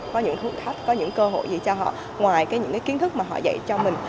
có những hướng thách có những cơ hội gì cho họ ngoài cái những cái kiến thức mà họ dạy cho mình